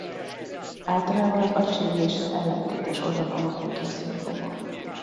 Általában az agysérüléssel ellentétes oldalon alakul ki a szindróma.